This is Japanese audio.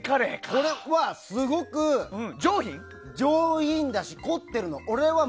これはすごく上品だし凝ってるの。